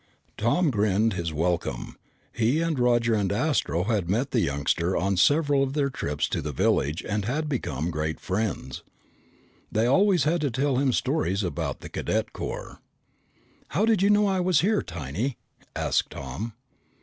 Tom grinned his welcome. He and Roger and Astro had met the youngster on several of their trips to the village and had become great friends. They always had to tell him stories about the Cadet Corps. "How did you know I was here, Tiny?" asked Tom.